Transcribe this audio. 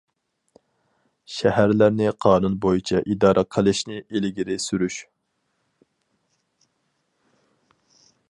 شەھەرلەرنى قانۇن بويىچە ئىدارە قىلىشنى ئىلگىرى سۈرۈش.